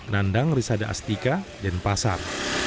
nandang risada astika denpasar